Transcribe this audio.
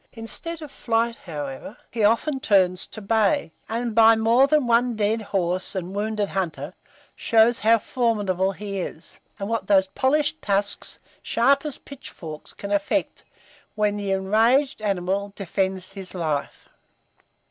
Instead of flight, however, he often turns to bay, and by more than one dead horse and wounded hunter, shows how formidable he is, and what those polished tusks, sharp as pitch forks, can effect, when the enraged animal defends his life.